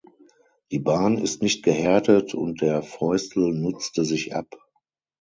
Die Bahn ist nicht gehärtet und der Fäustel nutzte sich ab.